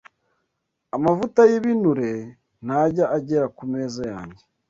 Amavuta y’ibinure ntajya agera ku meza yanjye